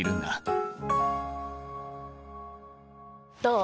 どう？